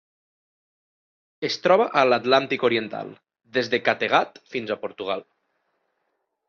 Es troba a l'Atlàntic oriental: des de Kattegat fins a Portugal.